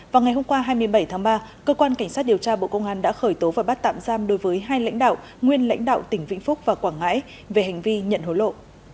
vào ngày hôm qua hai mươi bảy tháng ba cơ quan cảnh sát điều tra bộ công an đã khởi tố và bắt tạm giam đối với hai lãnh đạo nguyên lãnh đạo tỉnh vĩnh phúc và quảng ngãi về hành vi nhận hối lộ